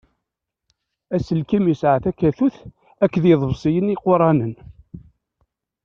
Aselkim yesɛa takatut akked iḍebṣiyen iquṛanen.